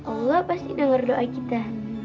allah pasti dengar doa kita